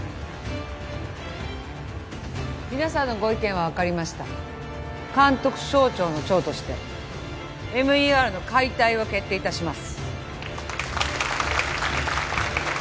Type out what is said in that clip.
皆さんのご意見は分かりました監督省庁の長としてＭＥＲの解体を決定いたします